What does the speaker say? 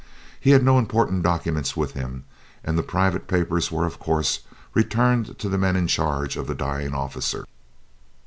He had no important documents with him and the private papers were of course returned to the men in charge of the dying officer.